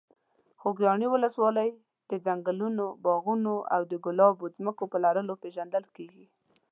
خوږیاڼي ولسوالۍ د ځنګلونو، باغونو او د ګلابو ځمکو په لرلو پېژندل کېږي.